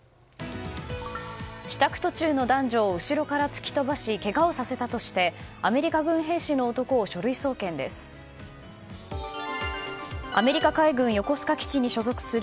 帰宅途中の男女を後ろから突き飛ばしけがをさせたとしてアメリカ軍兵士の男を書類送検です。